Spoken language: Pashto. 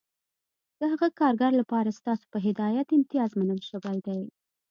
د هغه کارګر لپاره ستاسو په هدایت امتیاز منل شوی دی